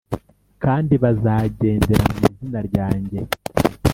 kandi bazagendera mu izina ryanjye